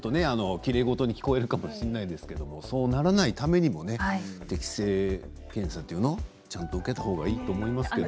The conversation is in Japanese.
きれい事に聞こえるかもしれないけれど、そうならないためにも適正検査というの？ちゃんと受けたほうがいいと思うけど。